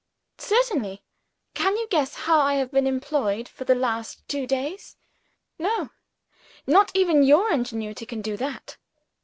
"Certainly! Can you guess how I have been employed for the last two days? No not even your ingenuity can do that.